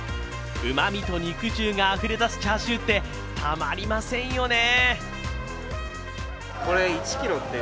うまみと肉汁があふれ出すチャーシューってたまりませんよね。